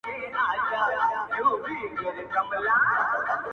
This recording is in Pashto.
o ضرور به زما و ستا نه په کښي ورک غمي پیدا سي,